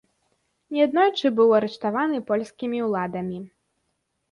Неаднойчы быў арыштаваны польскімі ўладамі.